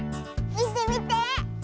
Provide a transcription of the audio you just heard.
みてみて。